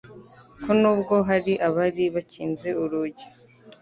ko nubwo hari abari bakinze urugi